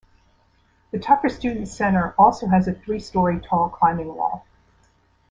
The Tucker Student Center also has a three-story tall climbing wall.